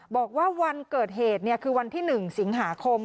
บอกว่าวันเกิดเหตุคือวันที่๑สิงหาคม